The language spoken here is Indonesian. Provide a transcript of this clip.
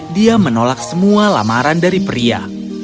dia menolak semua lamaran dari pria